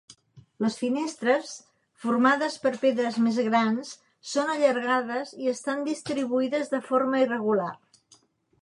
Les finestres, formades per pedres més grans, són allargades i estan distribuïdes de forma irregular.